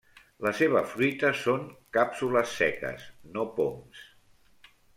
La seva fruita són càpsules seques, no poms.